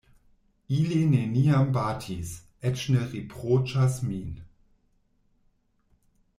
Ili neniam batis, eĉ ne riproĉas min.